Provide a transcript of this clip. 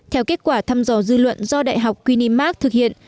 theo kết quả thăm dò dư luận do đại học quni mark thực hiện